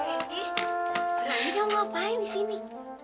eh lain kamu ngapain di sini